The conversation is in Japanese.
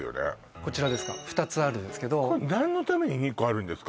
こちらですか２つあるんですけど誰のために２個あるんですか？